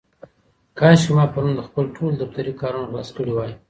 کاشکې ما پرون خپل ټول دفترې کارونه خلاص کړي وای.